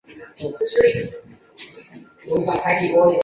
因此此站的有乐町线月台的正下方就是副都心线月台。